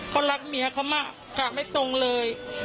เขารักเมียเขามากค่ะไม่ตรงเลย